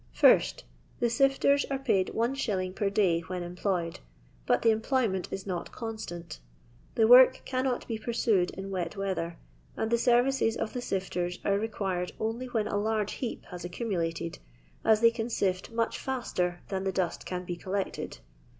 Ist The sifters are paid Is. per day when employed, but the employment is not constant The work cannot be pursued in wet weather, and the services of the sifters are required only when a large heap has accumulated, as they can siA much fiister than the dust can be collected.